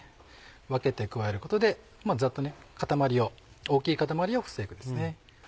分けて加えることでざっと固まりを大きい固まりを防ぐんですね。